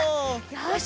よし。